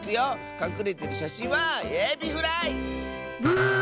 かくれてるしゃしんはエビフライ！ブー。